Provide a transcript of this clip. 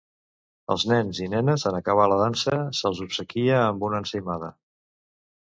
Els nens i nenes, en acabar la dansa se’ls obsequia amb una ensaïmada.